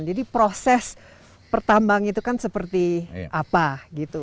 jadi proses pertambang itu kan seperti apa gitu